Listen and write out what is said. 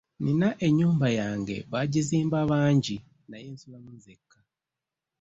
Nina ennyumba yange baagizimba bangi naye nsulamu nzekka.